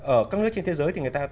ở các nước trên thế giới thì người ta